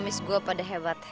rattau ruttaru akan di rumah